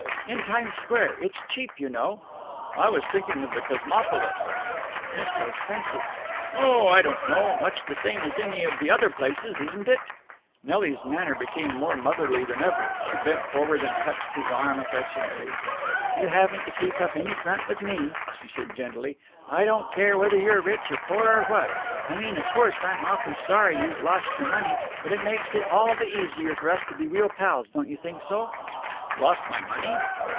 "In Times Square. It's cheap, you know." "I was thinking of the Cosmopolis." "But that's so expensive." "Oh, I don't know. Much the same as any of the other places, isn't it?" Nelly's manner became more motherly than ever. She bent forward and touched his arm affectionately. "You haven't to keep up any front with me," she said gently. "I don't care whether you're rich or poor or what. I mean, of course I'm awfully sorry you've lost your money, but it makes it all the easier for us to be real pals, don't you think so?" "Lost my money?"